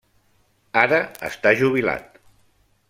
Ara està jubilat.